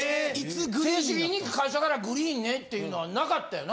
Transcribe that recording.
正式に会社からグリーンねっていうのはなかったよな？